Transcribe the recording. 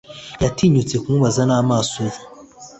Ntiyatinyutse kumubaza namaso ye